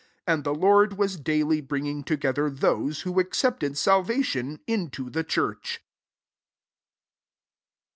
And the Lord iras daily bringing together iiose, who accepted salvation, lito the church.